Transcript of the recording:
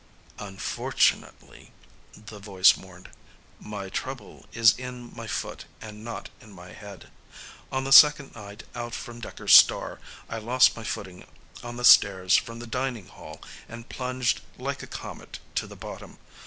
"Unfortunately," the voice mourned, "my trouble is in my foot and not in my head. On the second night out from Dekker's star, I lost my footing on the stairs from the dining hall and plunged like a comet to the bottom.